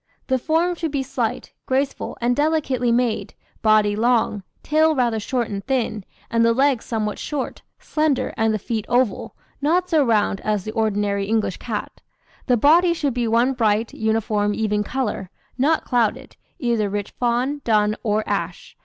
The form should be slight, graceful, and delicately made, body long, tail rather short and thin, and the legs somewhat short, slender, and the feet oval, not so round as the ordinary English cat. The body should be one bright, uniform, even colour, not clouded, either rich fawn, dun, or ash.